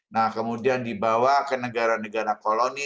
nah kemudian dibawa ke negara negara koloni